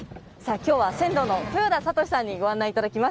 きょうは、船頭の豊田覚司さんにご案内いただきます。